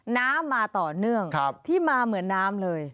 น้ำมาต่อเนื่องที่มาเหมือนน้ำเลย